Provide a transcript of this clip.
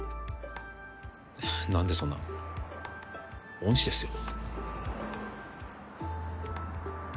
何でそんな恩師ですよ